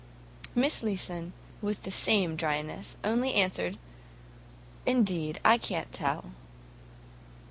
Miss Leeson, with the same dryness, only answered, "Indeed, I can't tell."